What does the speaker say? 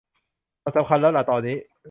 มันสำคัญแล้วล่ะตอนนี้